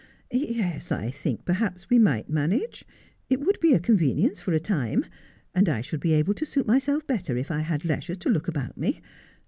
' Yes, I think perhaps we might manage — it would be a convenience for a time — and I should be able to suit myself better if I had leisure to look about me.